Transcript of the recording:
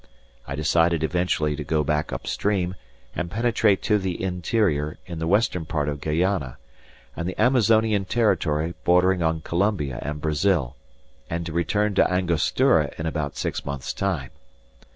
I decided eventually to go back upstream and penetrate to the interior in the western part of Guayana, and the Amazonian territory bordering on Colombia and Brazil, and to return to Angostura in about six months' time.